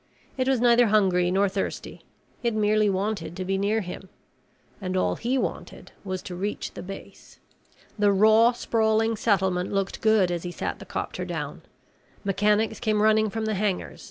It was neither hungry nor thirsty. It merely wanted to be near him. And all he wanted was to reach the base. The raw sprawling settlement looked good as he sat the copter down. Mechanics came running from the hangars.